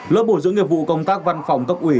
lớp bồi dưỡng nghiệp vụ công tác văn phòng cấp ủy